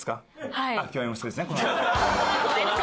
はい。